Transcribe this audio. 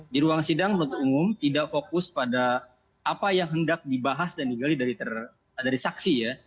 di ruang sidang penuntut umum tidak fokus pada apa yang hendak dibahas dan digali dari saksi ya